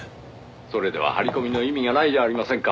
「それでは張り込みの意味がないじゃありませんか」